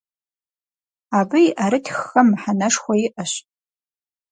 Абы и ӏэрытххэм мыхьэнэшхуэ иӏэщ.